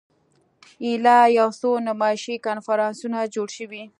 ایله یو څو نمایشي کنفرانسونه جوړ شوي.